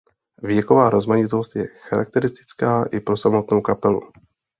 Věková rozmanitost je charakteristická i pro samotnou kapelu.